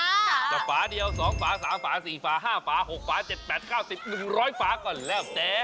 แต่ฝาเดียว๒ฝา๓ฝา๔ฝา๕ฝา๖ฝา๗๘๙๑๐๑๐๐ฝาก่อนแล้วเจ๊